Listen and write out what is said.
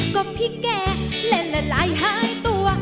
ก็พี่แกเล่นละลายหายตัว